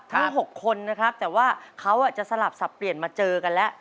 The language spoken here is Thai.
๖คนนะครับแต่ว่าเขาจะสลับสับเปลี่ยนมาเจอกันแล้ว